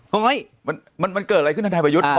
เฮ้ยมันเกิดอะไรขึ้นทนายประยุทธ์